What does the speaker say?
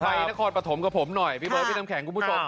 นครปฐมกับผมหน่อยพี่เบิร์พี่น้ำแข็งคุณผู้ชม